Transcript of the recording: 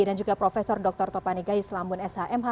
dan juga profesor dr topani gayus lambun shmh